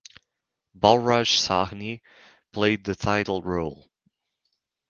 Balraj Sahni played the title role.